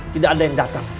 tidak ada yang datang